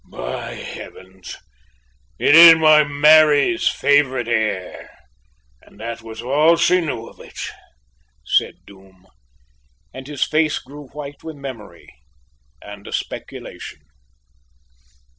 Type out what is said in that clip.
"By heavens! it is my Mary's favourite air, and that was all she knew of it," said Doom, and his face grew white with memory and a speculation.